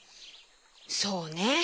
そうね。